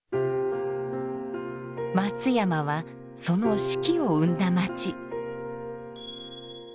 松山はその子規を生んだ街。